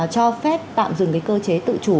cho phép tạm dừng cái cơ chế tự chủ